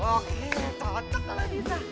oke cocok kalau bisa